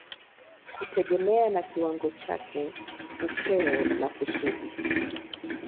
kutegemea na kiwango chake, upeo na kusudi.